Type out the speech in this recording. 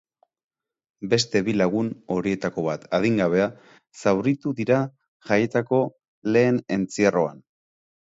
Beste bi lagun, horietako bat adingabea, zauritu dira jaietako lehen entzierroan.